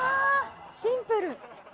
シンプル！